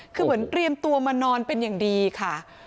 คือเหมือนเตรียมตัวมานอนเป็นอย่างดีค่ะ